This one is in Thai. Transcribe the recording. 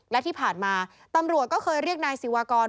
และที่ผ่านมาตำรวจก็เคยเรียกนายศิวากร